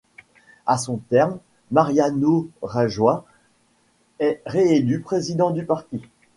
À son terme, Mariano Rajoy est réélu président du parti.